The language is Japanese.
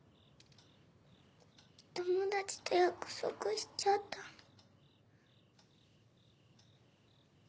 友達と約束しちゃったの。